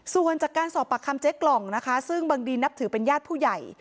ส่วนจากการสอบปากคำเจ๊กล่องนะคะซึ่งบางดีนนับถือเป็นญาติผู้ใหญ่